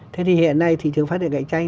thế thì hiện nay thị trường phát điện cạnh tranh